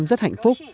em rất hạnh phúc